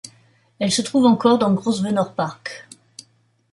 Elle se trouve encore dans Grosvenor Park.